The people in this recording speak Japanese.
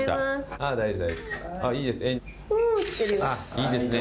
いいですね。